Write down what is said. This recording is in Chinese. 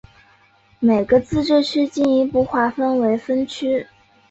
每个自治区进一步划分为分区。